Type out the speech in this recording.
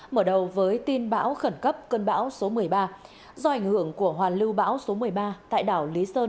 mở đầu với tin bão khẩn cấp cơn bão số một mươi ba do ảnh hưởng của hoàn lưu bão số một mươi ba tại đảo lý sơn